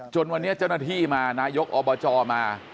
จนวันนี้เจ้าหน้าที่มานายกอบจมา